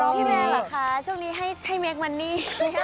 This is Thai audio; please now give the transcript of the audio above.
พี่แมนล่ะคะช่วงนี้ให้เมคมันนี่